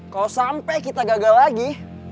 kalau sampai kita gagal lagi